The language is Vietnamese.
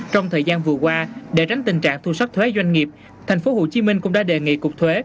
trong thời gian vừa qua để tránh tình trạng thu sắc thuế doanh nghiệp thành phố hồ chí minh cũng đã đề nghị cục thuế